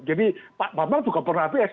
jadi pak bambang juga pernah abs